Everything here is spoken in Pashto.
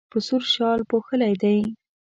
په سور شال پوښلی دی.